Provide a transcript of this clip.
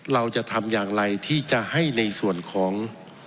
เราจะทำอย่างไรที่จะให้ในส่วนของ